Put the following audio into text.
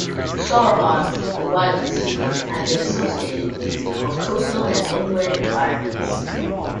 Sauropods, widely speaking, have been associated with both coastal and inland environments.